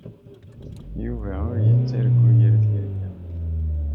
Yuba ur yettargu yir tirga.